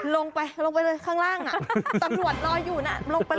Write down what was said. ลงไปเลยข้างล่างตำรวจรออยู่นะ